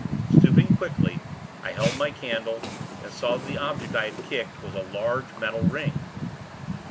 Stooping quickly, I held the candle, and saw that the object I had kicked, was a large, metal ring.